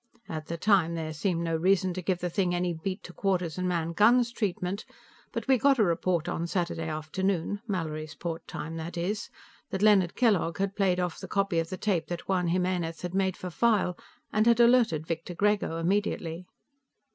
At the time, there seemed no reason to give the thing any beat to quarters and man guns treatment, but we got a report on Saturday afternoon Mallorysport time, that is that Leonard Kellogg had played off the copy of the tape that Juan Jimenez had made for file, and had alerted Victor Grego immediately.